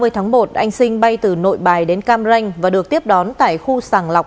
tháng một anh sinh bay từ nội bài đến cam ranh và được tiếp đón tại khu sàng lọc